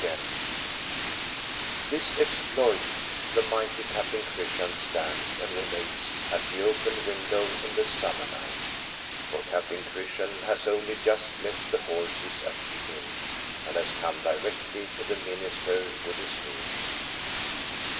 lO INTRODUCTION This exploit the mighty Captain Christian stands and relates at the open window in the summer night. For Captain Christian has only just left the horses at the inn, and has come directly to the minister with his news.